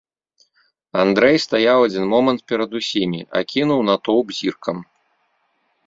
Андрэй стаяў адзін момант перад усімі, акінуў натоўп зіркам.